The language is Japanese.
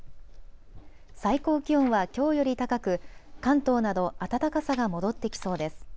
最高気温はきょうより高く関東など暖かさが戻ってきそうです。